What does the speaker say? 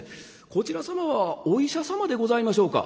こちら様はお医者様でございましょうか？」。